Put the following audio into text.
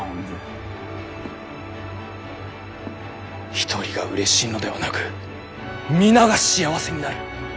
一人がうれしいのではなく皆が幸せになる。